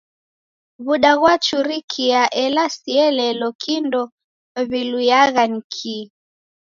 W'uda ghwachurikia ela sielelo kindo w'iluyagha ni kii!